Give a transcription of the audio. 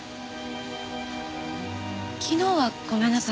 昨日はごめんなさい。